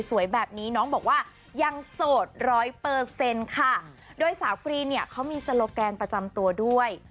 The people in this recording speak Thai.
ว่ายังโสดร้อยเปอร์เซ็นต์ค่ะโดยสาวกรีนเนี้ยเขามีสโลแกนประจำตัวด้วย